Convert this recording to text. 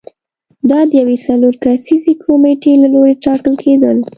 دا د یوې څلور کسیزې کمېټې له لوري ټاکل کېدل